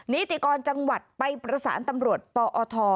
นิติกรจังหวัดไปประสานตำรวจปอท